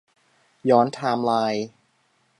ย้อนไทม์ไลน์